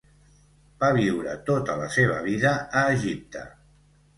Va viure tota la seva vida a Egipte.